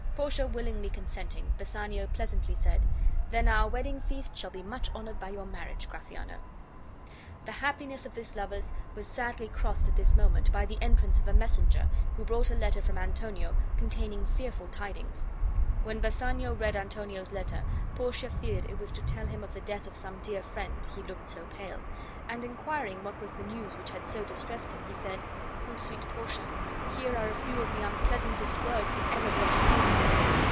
Portia willingly consenting, Bassanio pleasantly said: "Then our wedding feast shall be much honored by your marriage, Gratiano." The happiness of these lovers was sadly crossed at this moment by the entrance of a messenger, who brought a letter from Antonio containing fearful tidings. When Bassanio read Antonio's letter, Portia feared it was to tell him of the death of some dear friend, he looked so pale; and, inquiring what was the news which bad so distressed him, he said: "Oh, sweet Portia, here are a few of the unpleasantest words that ever blotted paper!